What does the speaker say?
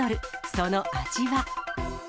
その味は。